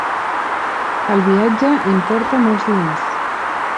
El viatge importa molts diners.